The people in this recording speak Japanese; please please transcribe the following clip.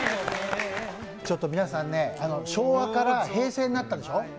ちょっと皆さんね、昭和から平成になったでしょう？